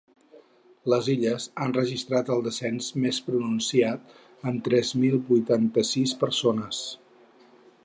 Les Illes han registrat el descens més pronunciat amb tres mil vuitanta-sis persones.